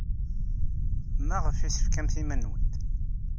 Maɣef ay tefkamt iman-nwent?